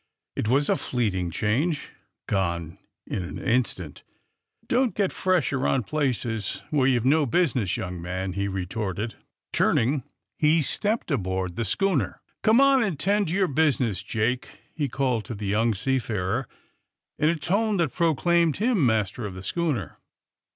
It was a fleeting change, gone in an instant. ''Don't get fresh around places where you've no business, young man," he retorted. Turn ing, he stepped aboard the schooner. '' Come on and 'tend to your business, Jake, '' he called to the young seafarer, in a tone that proclaimed him master of the schooner.